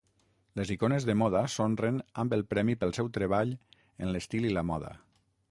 Les icones de moda s'honren amb el premi pel seu treball en l'estil i la moda.